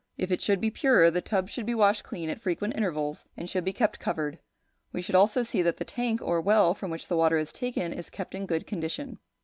If it should be pure, the tubs should be washed clean at frequent intervals, and should be kept covered; we should also see that the tank or well from which the water is taken is kept in good condition.